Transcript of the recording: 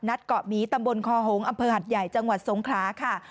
เกาะหมีตำบลคอหงษ์อำเภอหัดใหญ่จังหวัดสงขลาค่ะ